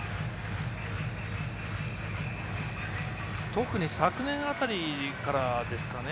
特に昨年辺りからですかね